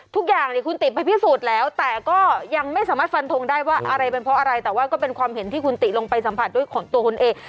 ทุกอย่างคุณติไปพิสูจน์แล้วแต่ก็ยังไม่สามารถฟันทงได้ว่าอะไรเป็นเพราะอะไรแต่ว่าก็เป็นความเห็นที่คุณติลงไปสัมผัสด้วยของตัวคุณเอง